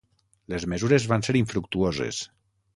Les mesures van ser infructuoses.